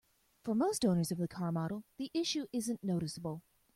For most owners of the car model, the issue isn't noticeable.